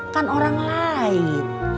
kan orang lain